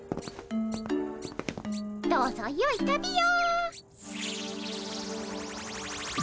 どうぞよい旅を。